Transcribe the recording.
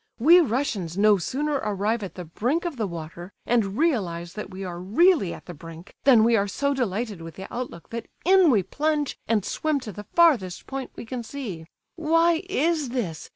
We Russians no sooner arrive at the brink of the water, and realize that we are really at the brink, than we are so delighted with the outlook that in we plunge and swim to the farthest point we can see. Why is this?